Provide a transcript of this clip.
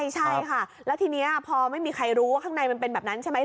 ใช่ค่ะแล้วทีนี้พอไม่มีใครรู้ว่าข้างในมันเป็นแบบนั้นใช่ไหม